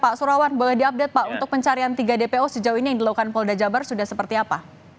pak surawan boleh diupdate pak untuk pencarian tiga dpo sejauh ini yang dilakukan polda jabar sudah seperti apa